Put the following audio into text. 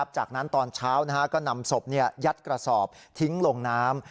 จากนั้นตอนเช้าก็นำศพยัดกระสอบทิ้งลงน้ำ